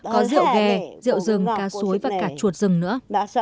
có rượu ghè rượu rừng cá suối và cả chuột rừng nữa